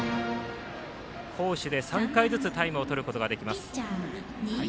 攻守で３回ずつタイムをとることができます。